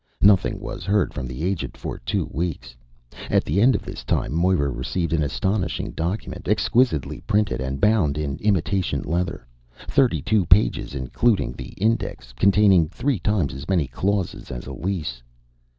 Nothing was heard from the agent for two weeks. At the end of this time, Moira received an astonishing document, exquisitely printed and bound in imitation leather, thirty two pages including the index, containing three times as many clauses as a lease.